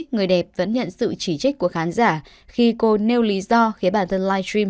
người đẹp vẫn nhận sự chỉ trích của khán giả khi cô nêu lý do khiến bản thân livestream